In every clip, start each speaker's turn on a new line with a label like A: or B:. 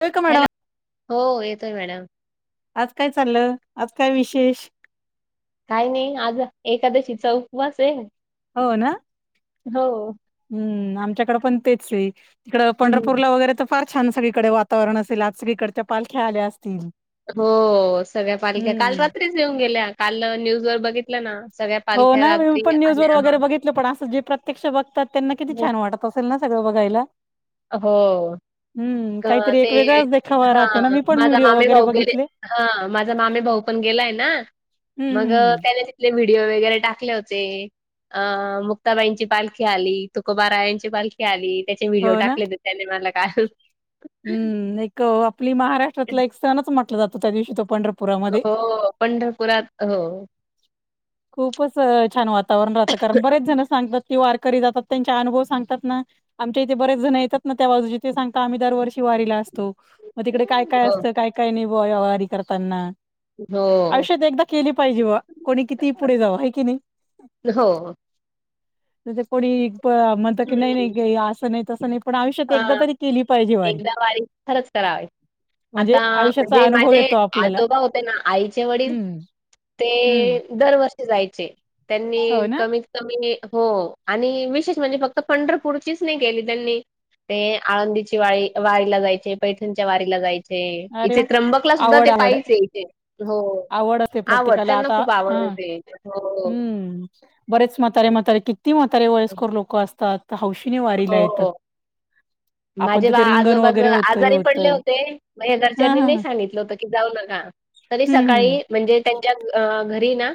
A: येतोय का madam
B: hello हो येतोय मॅडम.
A: आज काय चाललं? आज काय विशेष?
B: काही नाही. आज एकादशीचा उपवास आहे.
A: हो ना.
B: हो.
A: ह्म, आमच्याकडे पण तेच हे इकडे
B: हम्म.
A: पंढरपूरला वगैरे तर फार छान सगळीकडे वातावरण असेल, आज सगळी कडच्या पालख्या आल्या असतील.
B: हो सगळ्या पालख्या काल
A: हम्म
B: रात्रीच येऊन गेल्या, काल न्यूज वर बघितलं ना सगळ्या
A: हो
B: पालख्या
A: ना मी
B: रात्री
A: पण न्यूज वर
B: आल्या हा
A: वगैरे बघितलं, पण असं जे प्रत्यक्ष बघतात त्यांना किती छान वाटत असेल ना सगळं बघायला.
B: अ-हो.
A: हम्म
B: ग
A: काहीतरी
B: ते
A: एक वेगळाच देखावा राहतो ना
B: हं
A: मी पण
B: माझा
A: व्हिडिओ
B: मामे
A: वगैरे
B: गरे
A: बघितले
B: हं माझा मामे भाऊ पण गेलाय ना,
A: हम्म
B: मग
A: हम्म
B: त्याने तिथले व्हिडिओ वगैरे टाकले होते. अं मुक्ताबाईंची पालखी आली, तुकोबारायांची पाल खी आली त्याचे व्हिडिओ
A: हो ना
B: टाकले होते त्याने मला काल.
A: हम्म, एक आपली महाराष्ट्रातला एक सणच म्हटला जातो त्या दिवशी तो पंढर
B: हो, पंढरपुरात हं
A: खूपच छान वातावरण राहतं कारण बरेच जण सांगतात, ती वारकरी जातात त्यांचे अनुभव सांगतात ना आमच्या इथे बरेच जण येतात ना, त्या बाजूचे ते सांगता आम्ही दरवर्षी वारीला असतो. मग तिकडे काय- काय
B: हो,
A: असतं, काय- काय नई बॉ वारी करताना.
B: हो,
A: आयुष्यात एकदा केली पाहिजे बॉ, कोणी कितीही पुढे जावो हाय कि नाही.
B: हो.
A: तुझं कोणी म्हणत की, नाही- नाही असं नाही, तसं नाही पण आयुष्यात एकदा
B: हं,
A: तरी केली पाहिजे
B: एकदा वारी खरंच करावी.
A: म्हणजे
B: आता
A: आयुष्याचा
B: म्हणजे
A: अनुभव
B: माझे
A: येतो आपल्याला
B: आजोबा होते ना, आईचे वडील
A: हम्म हम्म
B: ते दरवर्षी जायचे,
A: हो
B: त्यांनी
A: ना
B: कमी कमी हो आणि विशेष म्हणजे फक्त पंढरपूरचीच नही केली त्यांनी. ते आळंदीची वाळी वारीला जायचे पैठणच्या वारीला जाय ते
A: अरे
B: इथे
A: वा
B: त्र्यंबकला सुद्धा
A: आवड
B: ते
A: आवड
B: पाहिचे इथे, हो
A: आवड असते
B: आवडत
A: प्रत्येकाला
B: त्यांना
A: आता
B: खूप आवड
A: हा
B: होते. हो.
A: हम्म बरेच म्हातारे- म्हातारे किती म्हातारे वयस्कर लोकं असतात. हौशीने वारीला
B: हो.
A: येतात, आता
B: माझे
A: तर
B: बा
A: ते रिंगण
B: आजोबाच
A: वगैरे होतय
B: आजारी पडले
A: होतं.
B: होते. माझ्या
A: हा
B: घरच्यांनी
A: हा
B: नही
A: हा.
B: सांगितलं होतं की जाऊ नका, तरी
A: हम्म हम्म
B: सकाळी म्हणजे त्यांच्या अं घरी ना,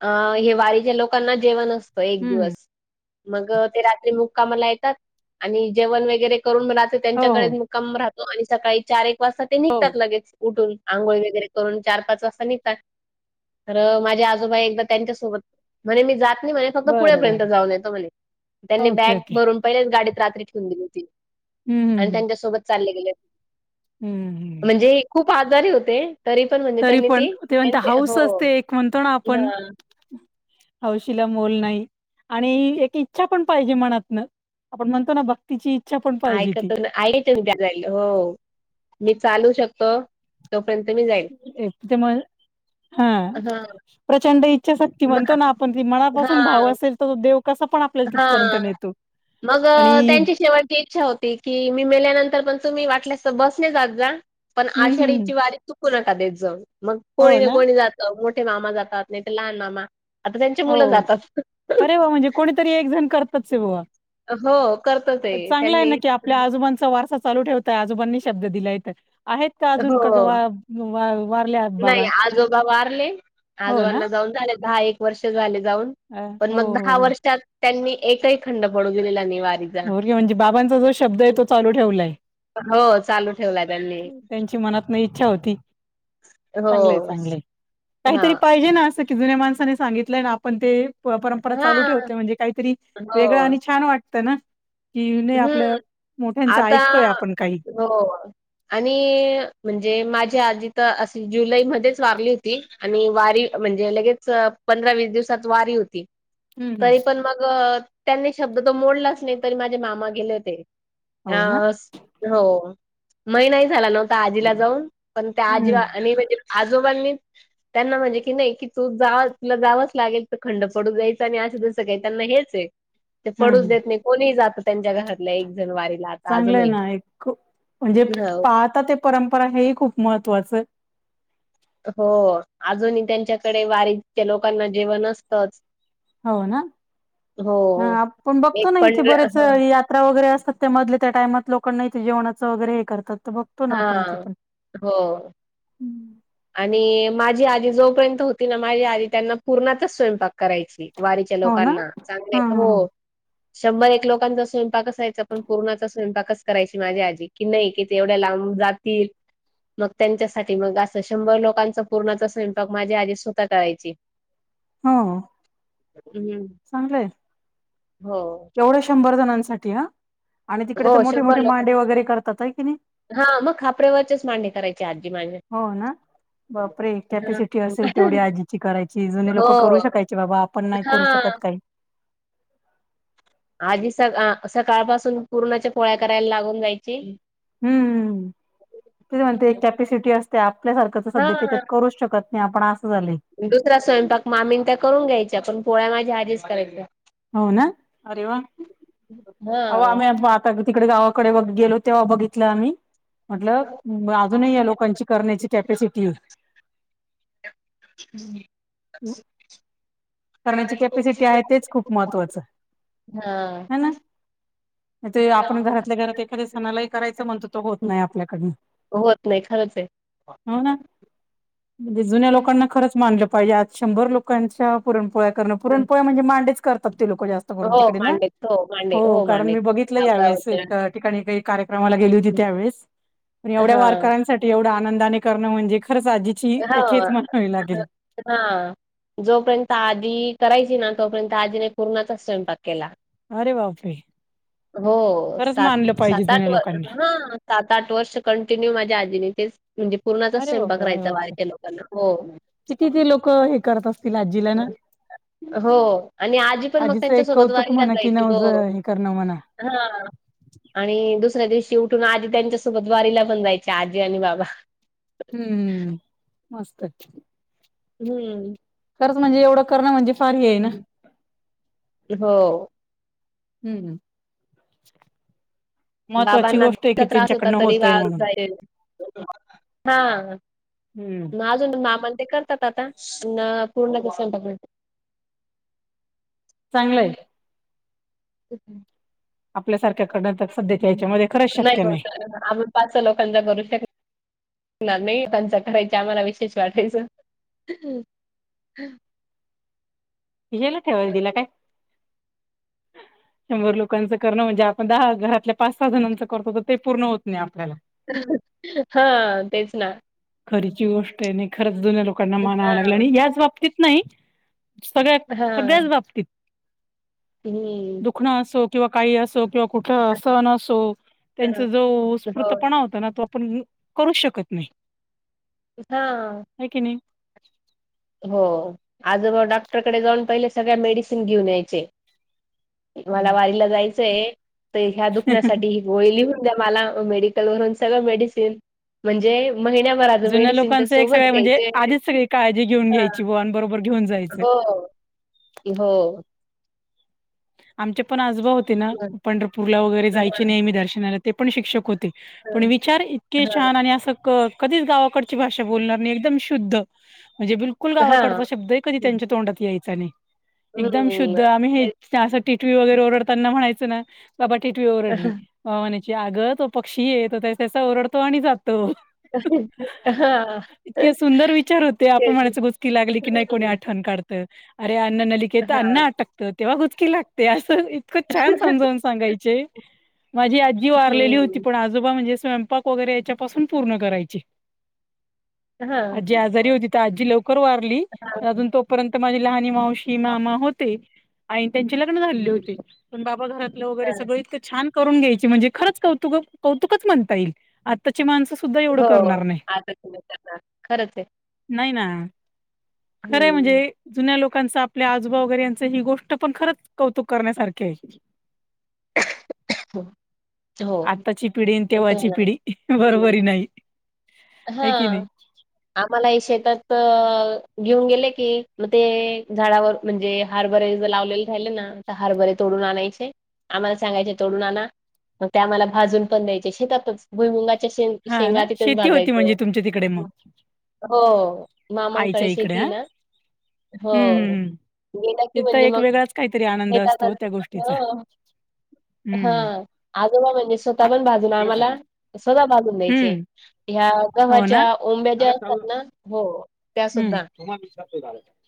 B: अं हे वारीच्या लोकांना जेवण अस तं एक
A: हम्म
B: दिवस, मग ते रात्री मुक्कामाला येतात आणि जेवण वगैरे करून मग रात्री
A: हो हो
B: त्यांच्याकडेच मुक्काम राहतो आणि सकाळी चार- एक वाजता ते
A: हो
B: निघतात लगेच. उठून आंघोळ वगैरे करून, चार- पाच वाजता निघतात. तर माझे आजोबा एकदा त्यांच्या-सोबत, म्हणे मी जात नई म्हणे फक्त
A: बरं
B: पुढेपर्यंत
A: बरं
B: जाऊन येतो म्हणे, त्यांनी
A: ओके
B: बॅग
A: ओके
B: भरून पहिलेच गाडीत रात्री ठेवून दिली होती.
A: हम्म ह्म.
B: अन त्यांच्यासोबत चालले गेले.
A: हम्म. हम्म
B: म्हणजे खूप आजारी होते. तरी पण म्ह
A: तरी पण ते म्हंता हाऊस असते, एक म्हणतो ना आपण
B: हां.
A: हौशीला मोल नाही आणि ऐक इच्छा पण पाहिजे मनातनं. आपण म्हणतो ना, ब तिची इच्छा पण पाहिजे ती.
B: ऐकत ना आईच उद्या जाईल. हो, मी चालू शकतो तोर्यंत मी जाईन.
A: [unintelligible] हा!
B: हां.
A: प्रचंड इच्छाशक्ती
B: मग
A: म्हणतो ना, आपण त मनापासून भाव असेल तो देव कसा पण आ
B: हा! मग अ
A: आणि
B: त्यांची शेवट इच्छा होती की, मी मेल्यानंतर पण तुम्ही वाटल्यास तर बसने जात जा. पण
A: हं, हं.
B: आषाढीची वारी चुकू नका देत जाऊ. मग कोणी ना कोणी जात मोठे मामा जातात, नाही तर लहान मामा, आता त्यांचे मुलं
A: हो.
B: जातात.
A: अरे वा! म्हणजे कोणीतरी एक जण करतचय बुवा.
B: हो, करतं ते.
A: पण चांगला आहे
B: त्यांनी
A: ना की, आपल्या आजोबांचा वारसा चालू ठेवत आजोबांनी शब्द दिलाय तर, आहेत का अजून, का
B: हो.
A: वा वा वारल्यात
B: नाही
A: बाबा?
B: आजोबा वारले
A: हो ना?
B: आजोबांना जाऊन झाले दहा एक वर्ष झाले जाऊन.
A: अ,
B: पण
A: हो,
B: मग
A: हो,
B: दहा
A: हो.
B: वर्षात त्यांनी एकही खंड पडू दिलेला नाही वारी
A: [unintelligible] म्हणजे बाबांचा जो शब्द आहे, तो चालू ठेवलाय.
B: हो! चालू ठेवलाय त्यांनी.
A: नाय इच्छा होती. चांगलयं,
B: हो.
A: चांगलय
B: हा
A: काहीतरी पाहिजे ना अस जुन्या माणसाने सांगितलंय, आपण ते परंपरा
B: हा
A: चालू ठेवतोय म्हणजे, काहीतरी वेगळं
B: हो
A: आणि छान वाट त ना की, नाही आपल्या
B: हम्म
A: मोठ्यांच
B: आता
A: ऐकतोय आपण काही
B: हो! आणि म्हणजे माझी आजी तर अशी जुलै मध्येच वारली होती आणि वारी म्हणजे, लगेच अ पंधरा - वीस दिवसात वारी होती.
A: हम्म हम्म.
B: तरी पण मग त्यांनी शब्द तो मोडलाच नाही. तरी माझे मामा गेले होते.
A: हो ना
B: अ, हो! महिना ही झाला न्हवता आजीला जाऊन, पण त्या आजी
A: हम्म
B: आणि म्हणजे आजोबांनी त्यांना म्हणजे की नाही, की तू जा तुला जावंच लागेल. तर खंड पडू द्यायचा नाही. असं, जसं काही त्यांना हेच आहे. ते पडूच
A: हम्म
B: देत नाही. कोणीही जात त्यांच्या घरातल्या एक जण वारीला आ
A: चांगलंय ना एक म्हणजे
B: हो.
A: पाहता ते परंपरा हेही खूप महत्त्वाचं.
B: हो! अजूनही त्यांच्याकडे वारीच्या लोकांना जेवण असतंच.
A: हो ना! ह
B: हो
A: आप आपण
B: एक
A: बघतो ना इथे
B: पंढ
A: बरेच
B: ह
A: [unintelligible] त्रा वगैरे असतात. त्या मधले त्या टाईमात लोकांना इथे जेवणाचं वगैरे हे करतात. तर बघ
B: हा! हो! आणि माझी आजी जोपर्यंत होती ना, माझी आजी त्यांना पूरणाचाच स्वयंपाक करायची. वारीच्या
A: हो ना
B: लोकांना,
A: हा
B: चांगलयं, हो! शंभर एक लोकांचा स्वयंपाक असायचा, पण पूरणाचा स्वयंपाकच करायची माझी आजी की, नाही की, ते एवढ्या लांबून जात तिलं, मग त्यांच्यासाठी मग अस तर शंभर लोकांचा पुरणाचा स्वयंपाक माझी आजी स्वतः करायची.
A: हो!
B: हम्म!
A: चांगलंय!
B: हो!
A: एवढ्या शंभर जणांसाठी ह, आणि तिकडे
B: हो
A: तर मोठे
B: शंभर
A: मोठे
B: लोक
A: मांडे वगैरे करतात, आहे की नाई?
B: हा, मग खापरेवरचेच मांडे करायची. ची आजी माझी
A: हो, ना! बापरे कॅपॅसिटी असेल तेवढी आजीची करायची जुने
B: हो
A: लोकं करू शकायचे बाबा आपण नाही
B: हा
A: करू शकत काही.
B: आजी स सकाळपासून पुर्णाच्या पोळ्या करायला लागून जायची,
A: हम्म् हम त म्हणते कॅपेसिटी असते आपल्यासारखंच
B: हा
A: सध्या याच्यात करू शकत शकत नाही आपण असं झालय.
B: दुसरा स्वयंपाक मामीने त्या करून घ्यायच्या पण पोळ्या माझ्या आजीच करायच्या.
A: हो ना, अरे वा, अओ
B: हा
A: आम बा, तिकडे गावाकडे गेलो तेव्हा बघितलो आम्ही. म्हटल अजूनही या लोकांची करण्याची कॅपॅसिटी हे.
B: [unintelligible]
A: महत्वाचं.
B: हा..
A: ते आपण घरातल्या घरात एखाद्या सणालाही करायचं म्हणल तो होत नाही आपल्याकडनं.
B: होत नाही खरंच आहे.
A: हो ना म्हणजे जुन्या लोकांना खरंच, मानल पाहिजे आज शंभर लोकांच्या पुरणपोळ्या करण
B: हं.
A: पुरणपोळ म्हणजे मांडेच करतात ते लोकं जास्त.
B: हो,
A: तिकडे ना
B: मांडेत. हो, मांडे
A: हो कारण
B: मांडे.
A: मी बघितलं
B: घाबरा
A: यावेेळेस
B: हं.
A: ऐका ठिकाणी का कार्यक्रमाला गेली होती त्यावेळेस पण एवढ्या
B: हां.
A: वारकऱ्यांसाठी एवढं आनंदाने करणं म्हजे खरंच अजी
B: हा. हा... जोपर्यंत आजी करायची ना तोपर्यंत आजीने पुरणाचं स्वयंपाक केला.
A: अरे बापरे..
B: हो
A: खरंच
B: सात
A: मानलं पाहिजे
B: सात आठ
A: जुन्या
B: व
A: लोकांना
B: ह सात आठ वर्ष कंटिन्यू माझ्या आजीने तेच म्हणजे पूर्णाचाच
A: अरे बापरे अरे बापरे
B: स्वयंपाकराहायचा. लोकांना हो..
A: किती ते लोक हे करत असतील आजीला ना
B: हो आणि आजी पण मग
A: आजीचं
B: त्यांच्या
A: एक
B: सोबत
A: कौतुक
B: वारीला
A: म्हणा की
B: जायची हो.
A: नवज हे करणं म्हणा
B: हा. आणि दुसऱ्या दिवशी उठून आजी त्यांच्यासोबत वारीला पण जायचे आजी आणि बाबा.
A: हम्म हमम.. मस्तय.
B: हम्म..
A: खरंच म्हणजे एवढ करणं म्हणजे फार हेना.
B: हो
A: हम्म... महत्त्वाची
B: बाबांनाचा
A: गोष्ट आहे
B: इतका
A: की
B: त्रास होता
A: त्यांच्याकडनं
B: तरी
A: होतय
B: वा
A: म्हणून
B: जा हा
A: हम्म
B: नाल अ मामण ते करतात आता पुरणाचा स्वयंपाक नाही
A: चांगलंय.
B: [inaudible]
A: आपल्यासारख्या करण तर सध्याच्या याच्यामध्ये खरंच शक्य नाही.
B: [unintelligible] पाच लोकांचा करू शकतो. नाही नाही त्यांच्याकडे आम्हाला विशेष वाटायच.
A: याला ठेवायला दिला काय? शंभर लोकांच करणं म्हणजे आपण दहा घरातल्या पाच सहा जणांच करतो. ते पूर्ण होत नाही आपल्याला.
B: हा तेच ना,
A: खरीची गोष्ट आहे, आणि खरंच जुन्या लोकांना मानावं
B: हा
A: लागलं आणि याच बाबतीत नाही. सगळ्या -सगळ्याच बाबतीत.
B: हम्,
A: दुखणं असो किंवा काही असो किंवा कुठं असह न असो. त्यांचा जो
B: हो
A: स्फूर्तपणा होता, ना तो आपण करू शकत नाही?
B: हा,
A: क नाही?
B: हो आजबाऊ डॉक्टरकडे जाऊन पहिले सगळ्या मेडिसिन घेऊन यायचे. मला
A: हम्म.
B: वारीला जायचंय, तर ह्या दुखण्यासाठी गोड़ी लिहुन दया मला मेडिकल वून मेडिसिन म्हणजे, म म
A: जुन्या
B: मेडिसिन त्या
A: लोकांचं एक
B: सोबत
A: सगळ्या म्हणजे
B: घ्यायचे?
A: आधीच सगळी काळजी घ्याची.
B: हां. हो की हो,
A: आमचे पण आजबा होते ना,
B: हं,
A: पंढरपूरला वगैरे
B: हां,
A: जायचे नाही म्ही दर्शनाला ते पण शिक्षक होते? पण
B: हां,
A: विचार इतके
B: हां,
A: छान आणि असं, कधीच गावाकडची भाषा बोलणार नाही, एकदम शुद्ध म्हणजे बिलु. कुल गावाकडचा
B: हां.
A: शब्द आहे कधी त्यांच्या तोंडात यायचा नाही, एकदम शुद्ध
B: हं,
A: आम्ही हे!
B: तेच.
A: असं टिटवी वगैरे ओरडताना म्हणायचं ना, बाबा टिटवी ओरडली. आगं तो पक्षी येतो, त्यास आणि जातो?
B: हां.
A: इतके सुंदर विचार होते, आपण
B: तेच.
A: म्हणाच गोस्की लागली की नाही कोणी आठवण काढत. अरे, अन्न
B: हं,
A: नलिकेत
B: हां.
A: अन्न अटकतं तेव्हा घुचकी लागत? ते असं इतकं छान समजावून सांगायचे माझी आ, ी वारलेली होती
B: हं.
A: पण आजोबा म्हणजे स्वयंपाक वगैरे याच्यापासून पूर्ण करायची.
B: हां,
A: आजी
B: हां.
A: आजारी होती तर आजी लवकर वारली, अजून तोपर्यंत माझी लहानी मावशी. मामा होते, आणि त्यां लग्न झालेले
B: हं,
A: होते पण बाबा घरातलं वगैरे
B: हां.
A: सगळ इ छान, घय म्हणे खौ म्हण ये आ माण [unintelligible] सुद्धा
B: हो,
A: करणार
B: आता तुम्ही करणार. खरंच आहे.
A: नाही, नाही? खरं म्हणजे,
B: हं,
A: जुन्या लोकांचं आपल्या आजोबा वगैरे यांच ही गोष्ट पण खरंच कौतुक करण्यासारखी आहे?
B: ह,
A: आत्ताची पिढी आणि तेव्हाची
B: आहे.
A: पिढी बरोबर नाही? आहे
B: हा?
A: की नाही
B: अम्हाला हे शेतात... घेऊन गेल.. की मग ते झाडावर, म्हणजे हारभरे लावलेले राहिले ना. तर तोडून आणायचे? आम्हाला सांगायचे तोडूनना आना, मग ते आम्हाला भाजून पण द्यायचे शेतातच? भुई मुंगाच्या शे
A: हा ना
B: शेंगा तिथच
A: शेती होती
B: भागायच
A: म्हणजे तुमच्या तिकडे मग
B: हो,
A: आईच्या
B: मामांकडे श
A: इकडे
B: यती
A: हा
B: ना. हो
A: हम्म हम्म हम्म.
B: गेत की
A: तिथं
B: म्हणजे
A: एक वेगळाच काहीतरी आनंद
B: मगेतात,
A: असतो त्या गोष्टीचा
B: हा
A: हम्म
B: आजोबा म्हणजे स्वतः
A: आ
B: पण भाजू ना आम्हाला, स्वतः बजून द्यायचे
A: हम्म
B: ह्या
A: हो ना
B: गव्हाच्या ओंब्या ज्या असतात. ना हो, त्यासुद्धा.
A: हम् तुम वि झा [unintelligible]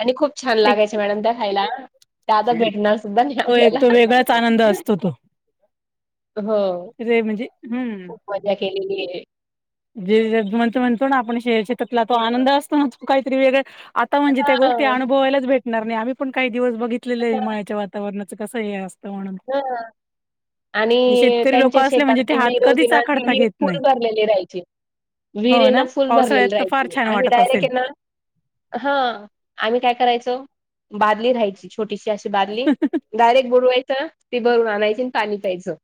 B: आणि खूप छान लागायचे मॅडम खायला? ते आता भेटणार सुद्धा नाही
A: तो एक
B: आपल्याला,
A: तो वेगळाच आनंद असतो तो
B: हो
A: रे म्हणजे हम्म
B: खूप मजा केलेली आहे.
A: जे ज म्हणतो म्हणतो ना आपण शेर शेतातला तो
B: हां.
A: आनंद असतो ना. काहीतरी वेगळ, आता म्हणजे त्या गोष्टी अनुभवायलाच भेटणार नाही आम्ही पण काही दिवस बघितलेले आहे मळ्याच्यावर. वातावरणाचं कसं हे अस
B: हो. आणि
A: शेतकरी लोक
B: त्यांच्या
A: असले
B: शेतात
A: म्हणजे ते
B: जी
A: हात
B: विहीर होती
A: कधीच
B: ना ती
A: आखडता
B: विहीर
A: घेत
B: फुल
A: नाही
B: भरलेली राहायची.
A: हो
B: वीरेना
A: ना
B: फुल भरलेले
A: पावसाळ्यात तर फार
B: राहायचे
A: छान
B: आम्ही
A: वाटत
B: डायरेक्ट
A: असेल
B: यांना हा आम्ही काय करायचो बादली राहायची छोटीशी अशी बादली. डायरेक्ट बुडवायंच ती भरून आणायची आणि पाणी प्यायचं.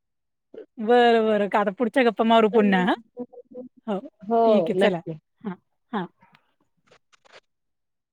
A: बरं बर का आता पुढच्या गप्पा मारु पुन्हा हा, हो ठीक आहे चला. हा हा